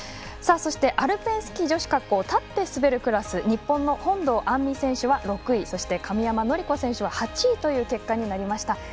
そして、アルペンスキー女子滑降立って滑るクラス日本の本堂杏実選手は６位そして神山則子選手は８位という結果になりました。